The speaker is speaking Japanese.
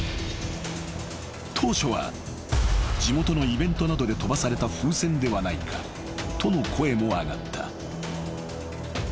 ［当初は地元のイベントなどで飛ばされた風船ではないかとの声も上がった］